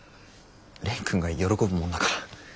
蓮くんが喜ぶもんだから。